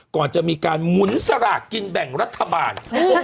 ก่อนจะมีการหมุนสลากกินแบ่งรัฐบาล